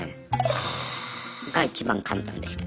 が一番簡単でした。